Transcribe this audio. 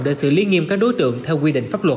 để xử lý nghiêm các đối tượng theo quy định pháp luật